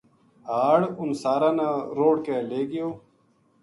ہاڑ اُنھ ساراں نا رُڑھ کے لے گیو